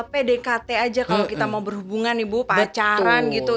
pdkt aja kalau kita mau berhubungan nih bu pacaran gitu